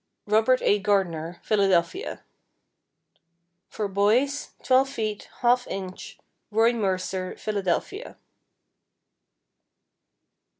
Robert A. Gardner, Philadelphia. For boys, 12 ft., 1/2 in., Roy Mercer, Philadelphia.